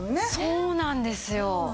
そうなんですよ。